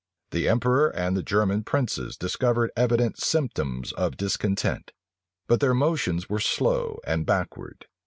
The emperor and the German princes discovered evident symptoms of discontent; but their motions were slow and backward.